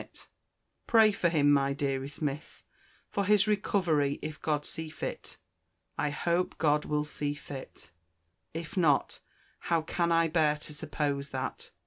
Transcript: —Pray for him, my dearest Miss—for his recovery, if God see fit.—I hope God will see fit—if not (how can I bear to suppose that!)